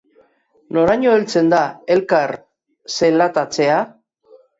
Noraino heltzen da elkar zelatatzea?